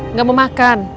nggak mau makan